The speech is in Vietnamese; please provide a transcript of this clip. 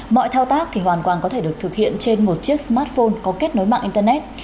mọi thao tác thì hoàn toàn có thể được thực hiện trên một chiếc smartphone có kết nối mạng internet